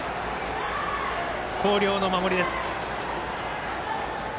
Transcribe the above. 広陵の守りです。